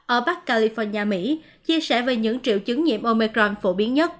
ở bắc california mỹ chia sẻ về những triệu chứng nhiễm omecron phổ biến nhất